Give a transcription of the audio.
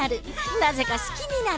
なぜか好きになる！